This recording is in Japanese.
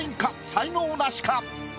才能ナシか？